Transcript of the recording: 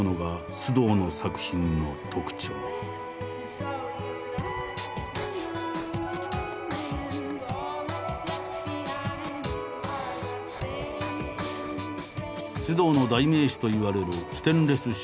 須藤の代名詞といわれるステンレスシリーズ。